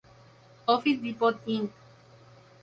Office Depot Inc.